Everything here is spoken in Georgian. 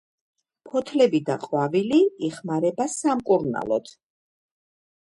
ფოთლები და ყვავილი იხმარება სამკურნალოდ.